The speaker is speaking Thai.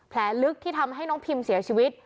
แผลลึกที่ทำให้น้องพิมเสียชีวิต